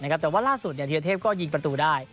แต่ว่าล่าสุดธีรเทพก็ยิงประตูได้